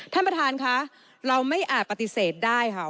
ท่านประธานค่ะเราไม่อาจปฏิเสธได้ค่ะ